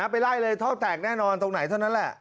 ไปไล่เลยท่อแตกแน่นอนตรงไหนเท่านั้นแหละ